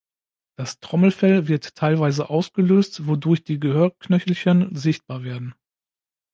Das Trommelfell wird teilweise ausgelöst, wodurch die Gehörknöchelchen sichtbar werden.